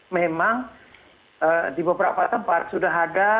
memang di beberapa tempat sudah ada